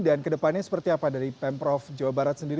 dan kedepannya seperti apa dari pemprov jawa barat sendiri